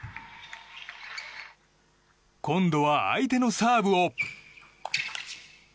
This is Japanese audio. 今度は相手のサーブを。